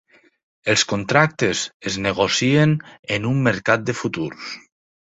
Els contractes es negocien en un mercat de futurs.